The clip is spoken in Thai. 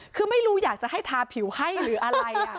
ก็ไม่รู้อยากจะให้ถาผิวให้นี่หรืออะไรอะ